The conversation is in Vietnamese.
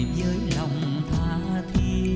với lòng tha thiết